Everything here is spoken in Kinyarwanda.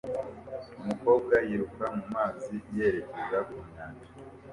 Umukobwa yiruka mu mazi yerekeza ku nyanja